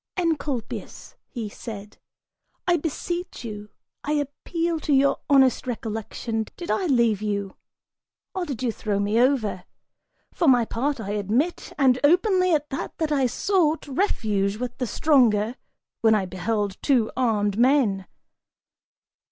"Encolpius," said he, "I beseech you, I appeal to your honest recollection, did I leave you, or did you throw me over? For my part, I admit, and openly at that, that I sought, refuge with the stronger, when I beheld two armed men."